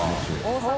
大阪。